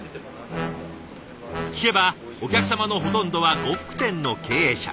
聞けばお客様のほとんどは呉服店の経営者。